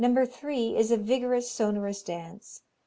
3 is a vigorous, sonorous dance.